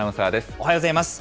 おはようございます。